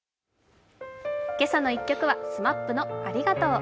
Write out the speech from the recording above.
「けさの１曲」はＳＭＡＰの「ありがとう」。